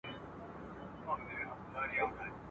لکه نه وې زېږېدلی لکه نه وي چا لیدلی !.